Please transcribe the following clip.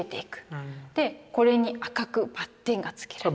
でこれに赤くバッテンが付けられて。